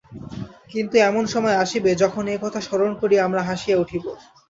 কিন্তু এমন সময় আসিবে, যখন এ কথা স্মরণ করিয়া আমরা হাসিয়া উঠিব।